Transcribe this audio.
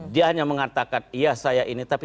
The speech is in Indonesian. dia hanya mengatakan iya saya ini tapi